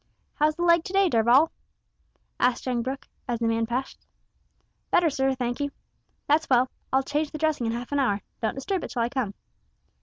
"How's the leg to day, Darvall!" asked young Brooke, as the man passed. "Better, sir, thankee." "That's well. I'll change the dressing in half an hour. Don't disturb it till I come."